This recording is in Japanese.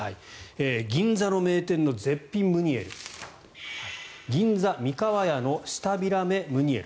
銀座の名店の絶品ムニエル銀座みかわやの舌平目ムニエル。